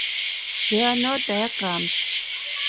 There are no diagrams?